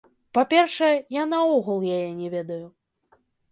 Па-першае, я наогул яе не ведаю.